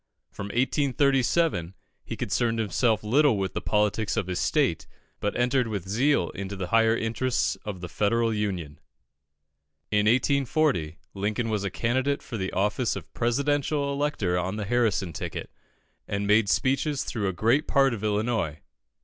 From 1837 he concerned himself little with the politics of his state, but entered with zeal into the higher interests of the Federal Union. In 1840, Lincoln was a candidate for the office of Presidential elector on the Harrison ticket, and made speeches through a great part of Illinois.